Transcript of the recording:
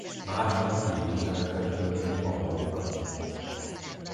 Másnap két üzenetet küldött Londonnak.